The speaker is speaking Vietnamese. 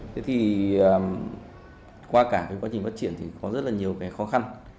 thế thì qua cả cái quá trình phát triển thì có rất là nhiều cái khó khăn